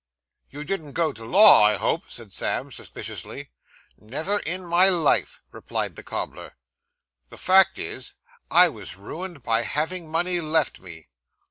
'You didn't go to law, I hope?' said Sam suspiciously. 'Never in my life,' replied the cobbler. 'The fact is, I was ruined by having money left me.